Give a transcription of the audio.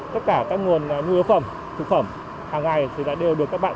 tất cả các nguồn nhu yếu phẩm thực phẩm hàng ngày thì đã đều được các bạn